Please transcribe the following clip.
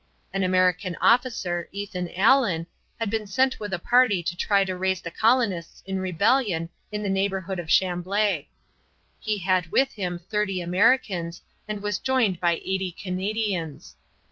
An American officer, Ethan Allen, had been sent with a party to try to raise the colonists in rebellion in the neighborhood of Chamblée. He had with him 30 Americans and was joined by 80 Canadians.